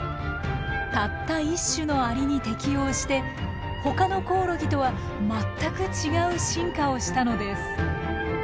たった１種のアリに適応してほかのコオロギとは全く違う進化をしたのです。